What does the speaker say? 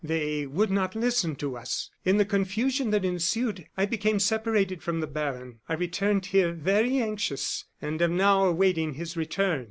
They would not listen to us. In the confusion that ensued, I became separated from the baron; I returned here very anxious, and am now awaiting his return."